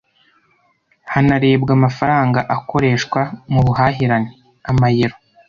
hanarebwa amafaranga akoreshwa mu buhahirane ( Amayero